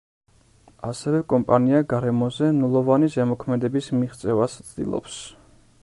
ასევე კომპანია გარემოზე ნულოვანი ზემოქმედების მიღწევას ცდილობს.